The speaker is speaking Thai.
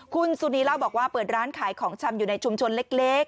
คุณสุนีเล่าบอกว่าเปิดร้านขายของชำอยู่ในชุมชนเล็ก